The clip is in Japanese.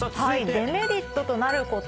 デメリットとなること。